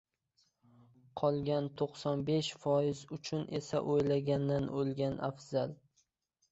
qolgan to'qson besh foiz uchun esa oʻylagandan oʻlgan afzal.